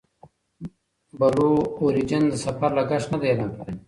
بلو اوریجن د سفر لګښت نه دی اعلان کړی.